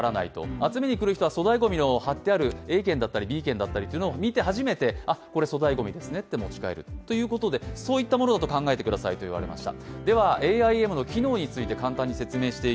集めに来る人は粗大ごみに貼ってあるＡ券だったりＢ券を見て初めて、これ粗大ごみですねと持ち帰るということでそういったものだと考えてくださいと言われました。